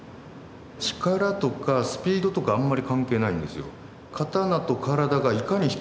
力とかスピードとかあんまり関係ないんですよ。